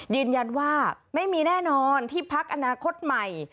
ยืนยันว่าไม่มีแน่นอนที่พักอนาคตใหม่